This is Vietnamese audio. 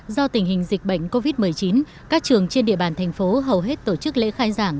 do tình hình dịch bệnh covid một mươi chín các trường trên địa bàn thành phố hầu hết tổ chức lễ khai giảng